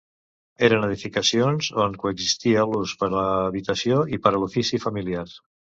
Eren edificacions on coexistia l'ús per a habitació i per a l'ofici familiar.